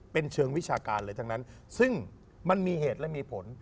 เป็นเชิงวิชาการเลยทั้งนั้นซึ่งมันมีเหตุและมีผล